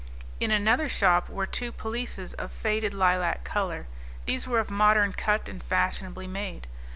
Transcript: In another shop were two pelisses of faded lilac color; these were of modern cut and fashionably made.